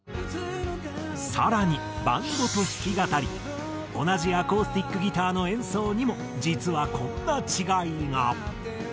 更にバンドと弾き語り同じアコースティックギターの演奏にも実はこんな違いが。